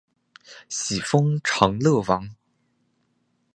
徙封长乐王。